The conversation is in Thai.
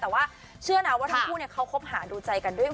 แต่ว่าเชื่อนะว่าทั้งคู่เขาคบหาดูใจกันด้วย